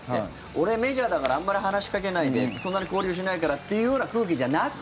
俺、メジャーだからあんまり話しかけないでそんなに交流しないからっていうような空気じゃなく。